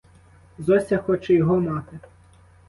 Зося хоче його мати.